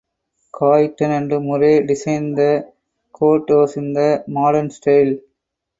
Cayton and Murray designed the courthouse in the Modern style.